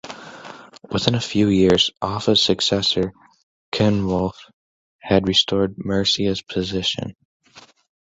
Within a few years, Offa's successor, Coenwulf, had restored Mercia's position.